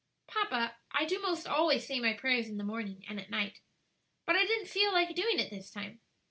"Papa, I do 'most always say my prayers in the morning and at night; but I didn't feel like doing it this time.